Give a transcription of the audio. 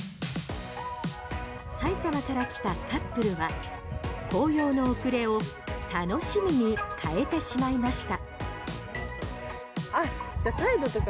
埼玉から来たカップルは紅葉の遅れを楽しみに変えてしまいました。